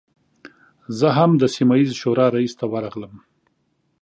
زه هم د سیمه ییزې شورا رئیس ته ورغلم.